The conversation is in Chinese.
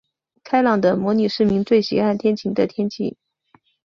开朗的模拟市民最喜爱天晴的天气。